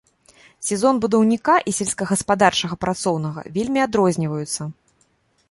Сезон будаўніка і сельскагаспадарчага працоўнага вельмі адрозніваюцца.